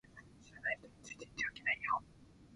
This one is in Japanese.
知らない人についていってはいけないよ